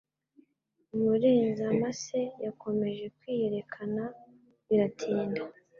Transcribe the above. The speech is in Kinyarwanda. Umurenzamase yakomeje kwiyerekana biratinda